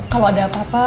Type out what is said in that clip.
kalau ada apa apa